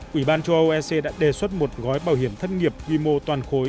quỹ ban châu âu ec đã đề xuất một gói bảo hiểm thất nghiệp quy mô toàn khối